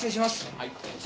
はい。